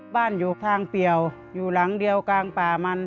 อยู่ทางเปี่ยวอยู่หลังเดียวกลางป่ามัน